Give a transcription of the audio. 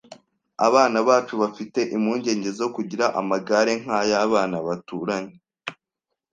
Abana bacu bafite impungenge zo kugira amagare nkay'abana baturanye.